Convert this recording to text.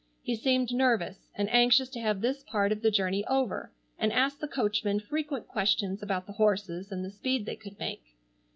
He seemed nervous, and anxious to have this part of the journey over and asked the coachman frequent questions about the horses and the speed they could make.